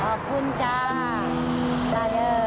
ขอบคุณจ้า